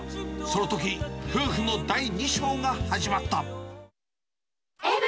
そのとき、夫婦の第２章が始まった。